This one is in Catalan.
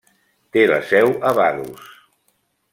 Té la seu a Vaduz.